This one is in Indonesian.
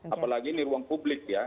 apalagi ini ruang publik ya